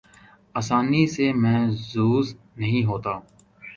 آسانی سے محظوظ نہیں ہوتا